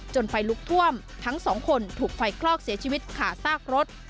ไฟลุกท่วมทั้งสองคนถูกไฟคลอกเสียชีวิตขาซากรถ